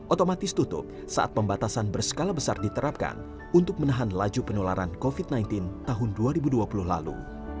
otomatis tutup saat pembatasan berskala besar diterapkan untuk menahan laju penularan covid sembilan belas tahun dua ribu dua puluh lalu